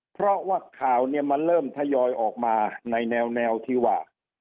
เพราะว่าข่าวเนี่ยมันเริ่มทยอยออกมาในแนวที่ว่า